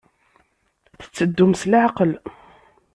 Tetteddum s leɛqel.